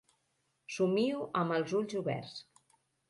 Somio amb els ulls oberts.